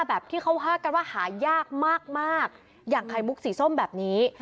แบบที่เขาว่ากันว่าหายากมากอย่างไข่มุกสีส้มแบบนี้